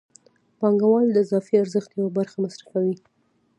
پانګوال د اضافي ارزښت یوه برخه مصرفوي